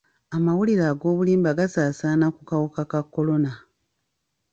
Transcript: Amawulire ag'obulimba gasaasaana ku kawuka ka kolona.